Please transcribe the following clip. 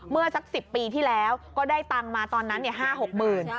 เมื่อสัก๑๐ปีที่แล้วก็ได้ตังค์มาตอนนั้น๕๖หมื่น